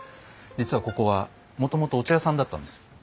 実はここはもともとお茶屋さんだったんです。